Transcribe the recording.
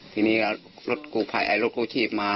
ทีนี้รถกูผ่ายไอ้รถกูชีพมา